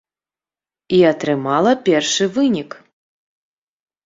І атрымала першы вынік!